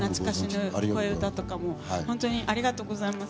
ありがとうございます。